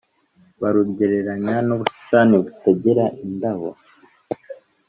barugeranya n’ubusitani butagira indabo;